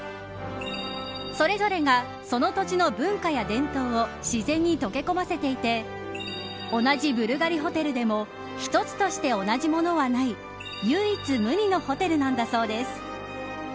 それぞれがその土地の文化や伝統を自然に溶け込ませていて同じブルガリホテルでも１つとして同じものはない唯一無二のホテルなんだそうです。